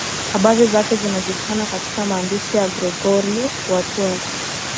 Habari zake zinajulikana katika maandishi ya Gregori wa Tours.